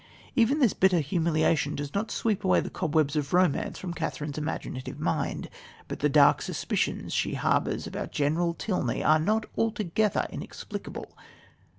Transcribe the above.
Even this bitter humiliation does not sweep away the cobwebs of romance from Catherine's imaginative mind, but the dark suspicions she harbours about General Tilney are not altogether inexplicable.